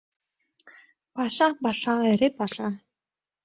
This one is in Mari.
— Паша, паша, эре паша.